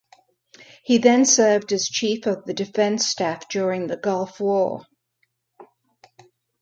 He then served as Chief of the Defence Staff during the Gulf War.